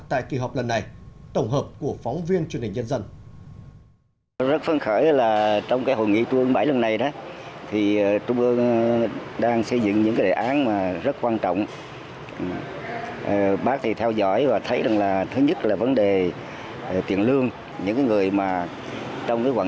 tại kỳ họp lần này tổng hợp của phóng viên truyền hình nhân dân